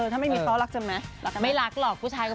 ใช้เพราะรักมากว่าไม่รักหลอกผู้ชายก็